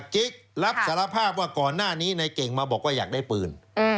กิ๊กรับสารภาพว่าก่อนหน้านี้ในเก่งมาบอกว่าอยากได้ปืน